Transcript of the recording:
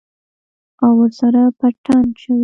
او ورسره پټن چوي.